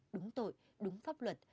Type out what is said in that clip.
đúng tội đúng pháp luật